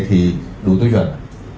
thì đủ tiêu chuẩn